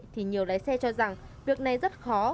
thì nhiều lái xe cho rằng việc này rất khó